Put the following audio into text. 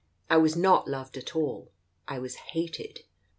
I was not loved at all. I was hated.